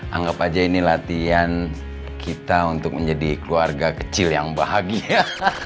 anggap aja ini latihan kita untuk menjadi keluarga kecil yang bahagia